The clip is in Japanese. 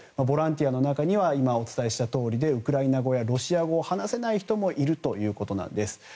ボランティアの中には今、お伝えしたとおりでウクライナ語やロシア語を話せない人もいるということなんです。